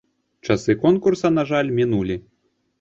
Часы конкурса, на жаль, мінулі.